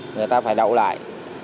người ta phải đậu lại